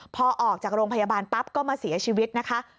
พอออกจากโรงพยาบาลปั๊บก็มาเสียชีวิตนะคะ